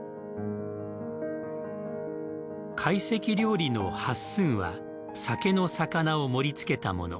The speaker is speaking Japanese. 懐石料理の、八寸は酒のさかなを盛り付けたもの。